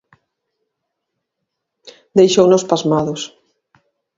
Deixounos pasmados.